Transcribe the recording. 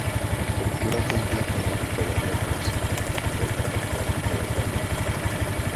La estructura cumple con la tipología clásica de teatro a la italiana.